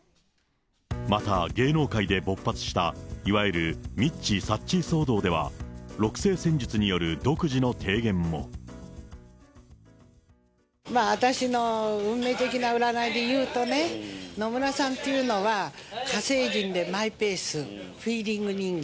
また芸能界で勃発したいわゆるミッチー・サッチー騒動では、私の運命的な占いでいうとね、野村さんというのは、火星人でマイペース、フィーリング人間。